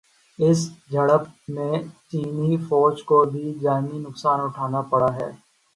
اس جھڑپ میں چینی فوج کو بھی جانی نقصان اٹھانا پڑا ہے